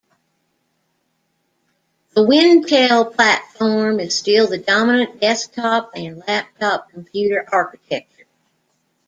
The Wintel platform is still the dominant desktop and laptop computer architecture.